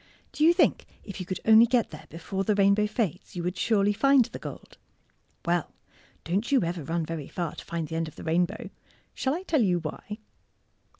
Do you think if you could only get there before the rainbow fades you would surely find the gold? Well, don't you ever run very far to find the end of the rainbow. Shall I tell you why?